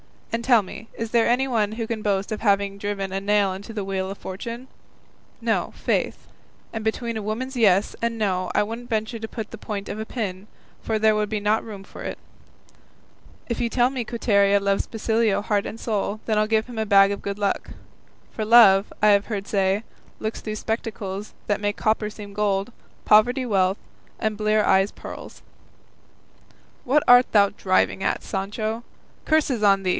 And tell me, is there anyone who can boast of having driven a nail into the wheel of fortune? No, faith; and between a woman's 'yes' and 'no' I wouldn't venture to put the point of a pin, for there would not be room for it; if you tell me Quiteria loves Basilio heart and soul, then I'll give him a bag of good luck; for love, I have heard say, looks through spectacles that make copper seem gold, poverty wealth, and bleary eyes pearls." "What art thou driving at, Sancho? curses on thee!"